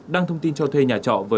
đăng thông tin cho thuê nhà trọ